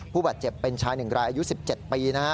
ผู้บัดเจ็บเป็นชายหนึ่งรายอายุ๑๗ปี